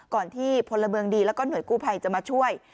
ที่พลเมืองดีแล้วก็หน่วยกู้ภัยจะมาช่วย